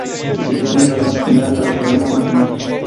La situación es bastante similar para el programa Mathematica.